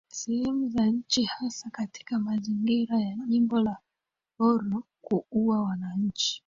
sehemu za nchi hasa katika mazingira ya jimbo la Borno kuua wananchi